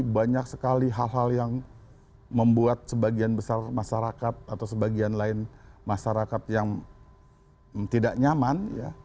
banyak sekali hal hal yang membuat sebagian besar masyarakat atau sebagian lain masyarakat yang tidak nyaman